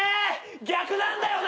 逆なんだよな！